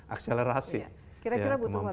akselerasinya kira kira butuh waktu